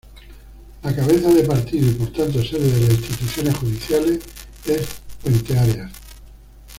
La cabeza de partido y por tanto sede de las instituciones judiciales es Puenteareas.